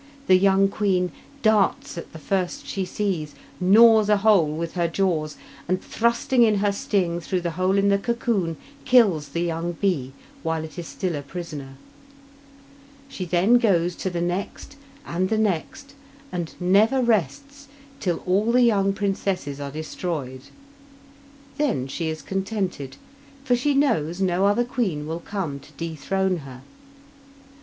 The young queen darts at the first she sees, gnaws a hole with her jaws, and, thrusting in her sting through the hole in the cocoon, kills the young bee while it is still a prisoner. She then goes to the next, and the next, and never rests till all the young princesses are destroyed. Then she is contented, for she knows no other queen will come to dethrone her.